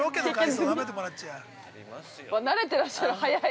なれていらっしゃる、早い。